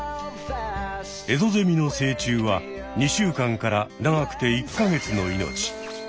エゾゼミの成虫は２週間から長くて１か月の命。